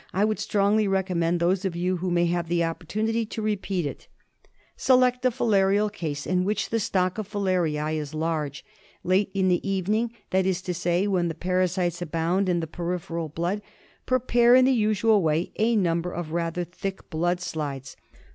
I would strongly recommend those of you who may have the opportunity to repeat it. Select a filarial case in which the stock of filariae is large. Late in the evening, that is to say when the parasite^ abound in the peripheral blood, prepare in the usual way a number of rather thick blood slides.